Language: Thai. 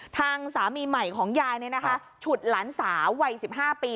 ทางสามีใหม่ของยายนี่นะคะฉุดหลานสาววัยสิบห้าปี